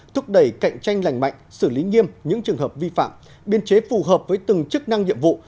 thúc đẩy cạnh tranh lành mạnh xử lý nghiêm những trường hợp vi phạm biên chế phù hợp với từng chức năng nhiệm vụ